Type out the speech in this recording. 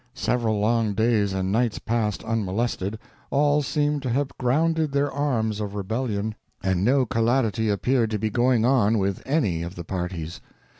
Several long days and nights passed unmolested, all seemed to have grounded their arms of rebellion, and no callidity appeared to be going on with any of the parties.